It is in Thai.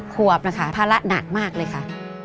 ขวบนะคะภาระหนักมากเลยค่ะ